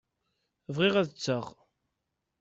Bɣiɣ ad tteɣ.